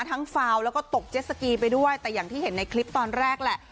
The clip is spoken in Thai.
ฟาวแล้วก็ตกเจ็ดสกีไปด้วยแต่อย่างที่เห็นในคลิปตอนแรกแหละ